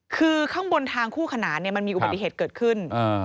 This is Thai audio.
คือข้างบนทางคู่ขนานมันมีอุบัติเหตุเกิดขึ้น